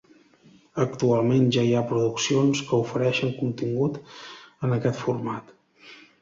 Actualment, ja hi ha produccions que ofereixen contingut en aquest format.